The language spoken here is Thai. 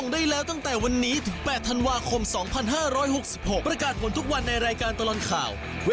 ดินดีด้วยครับพี่น้องครับ